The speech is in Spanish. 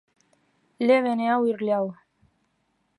Le Vanneau-Irleau